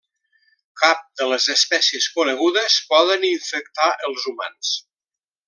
Cap de les espècies conegudes poden infectar els humans.